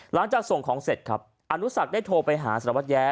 หลังจากส่งของเสร็จครับอนุสักได้โทรไปหาสารวัตรแย้